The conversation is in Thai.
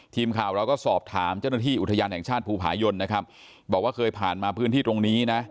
ทีมข่าวเราก็สอบถามเจ้าหน้าที่อุทยานแห่งชาติภูผายนนะครับบอกว่าเคยผ่านมาพื้นที่ตรงนี้นะ